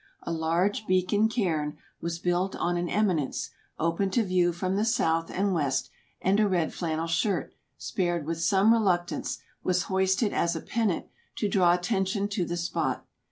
A large beacon cairn was built on an eminence, open to view from the south and west, and a red flannel shirt, spared with some reluctance, was hoisted as a pennant to draw attention to the spot.